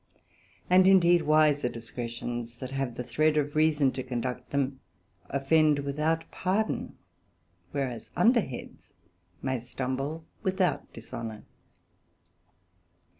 And indeed wiser discretions that have the thred of reason to conduct them, offend without pardon; whereas, under heads may stumble without dishonour.